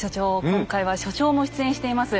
今回は所長も出演しています